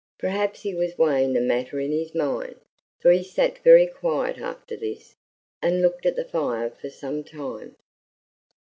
Perhaps he was weighing the matter in his mind, for he sat very quiet after this, and looked at the fire for some time.